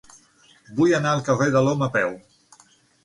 Vull anar al carrer de l'Om a peu.